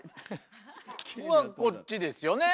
こっちですよね。